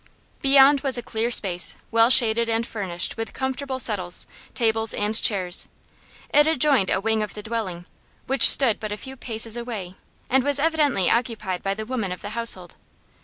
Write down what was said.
Beyond was a clear space, well shaded and furnished with comfortable settles, tables and chairs. It adjoined a wing of the dwelling, which stood but a few paces away and was evidently occupied by the women of the household.